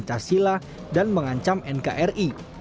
pancasila dan mengancam nkri